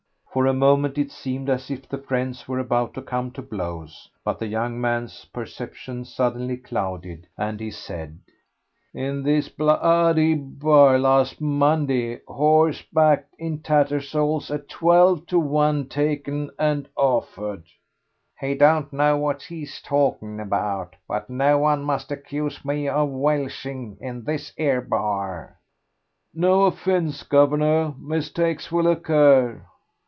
For a moment it seemed as if the friends were about to come to blows, but the young man's perceptions suddenly clouded, and he said, "In this blo ody bar last Monday... horse backed in Tattersall's at twelve to one taken and offered." "He don't know what he's talking about; but no one must accuse me of welshing in this 'ere bar." "No offence, guv'nor; mistakes will occur."